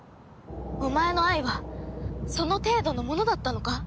お前の愛はその程度のものだったのか？